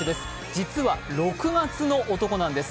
実は６月の男なんです。